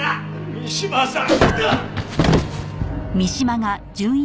三島さん！